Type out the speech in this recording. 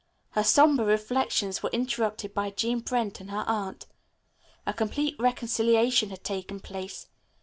Her somber reflections were interrupted by Jean Brent and her aunt. A complete reconciliation had taken place.